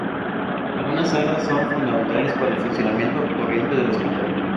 Algunas salas son fundamentales para el funcionamiento corriente del hospital.